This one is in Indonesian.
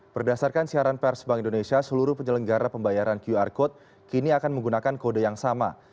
berdasarkan siaran pers bank indonesia seluruh penyelenggara pembayaran qr code kini akan menggunakan kode yang sama